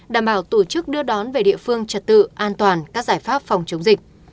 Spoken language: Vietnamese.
đảm bảo tổ chức đưa đón về địa phương trật tự an toàn các giải pháp phòng chống dịch